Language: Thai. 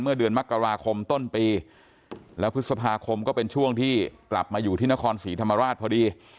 เดือนมกราคมต้นปีแล้วพฤษภาคมก็เป็นช่วงที่กลับมาอยู่ที่นครศรีธรรมราชพอดี